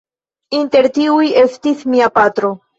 Inter tiuj estis mia patro.